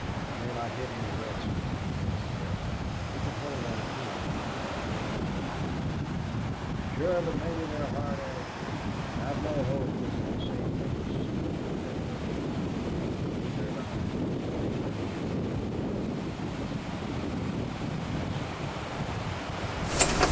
They may not hit any redskins, but they'll scare 'em." "We can hold out here if the troopers hurry back," said Neale. "Sure. But maybe they're hard at it, too. I've no hope this is the same bunch of Sioux that held up the work train." "Neither have I. And if the troops don't get here before dark " Neale halted, and Baxter shook his gray head.